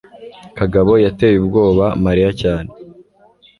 kagabo yateye ubwoba mariya cyane